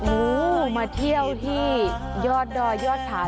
โอ้อุมาเที่ยวที่ยอดบยอดถา